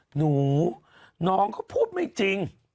หนูน้องเขาพูดไม่จริง